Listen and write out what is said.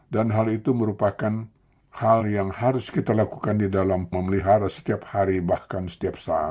dan hal itu merupakan hal yang harus kita lakukan di dalam memelihara setiap hari bahkan setiap saat